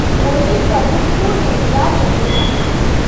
ஒலிப்பகுப்பு என்றால் என்ன?